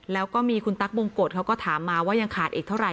แล้วก็มีคุณตั๊กบงกฎเขาก็ถามมาว่ายังขาดอีกเท่าไห